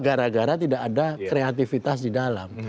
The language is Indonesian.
gara gara tidak ada kreativitas di dalam